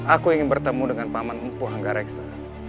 aku ingin bertemu dengan paman empu hanggareksa